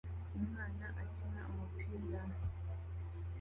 Umwana akina umupira